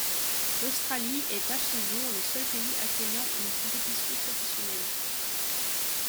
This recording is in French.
L'Australie est à ce jour le seul pays accueillant une compétition professionnelle.